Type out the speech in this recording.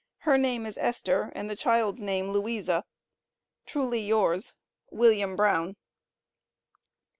Her name is Esther, and the child's name Louisa. Truly yours, WILLIAM BROWN.